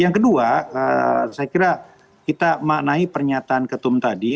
yang kedua saya kira kita maknai pernyataan ketum tadi